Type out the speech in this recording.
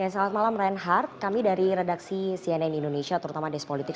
selamat malam reinhard kami dari redaksi cnn indonesia terutama despolitik